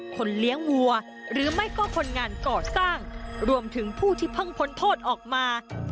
คนเลี้ยงวัวหรือไม่ก็คนงานก่อสร้างรวมถึงผู้ที่เพิ่งพ้นโทษออกมา